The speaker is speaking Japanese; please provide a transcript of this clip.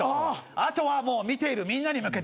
あとはもう見ているみんなに向けて。